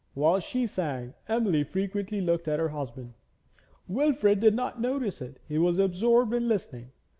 Whilst she sang Emily frequently looked at her husband. Wilfrid did not notice it, he was absorbed in listening.